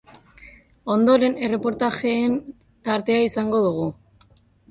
Ondoren, erreportajeen tartea izango dugu.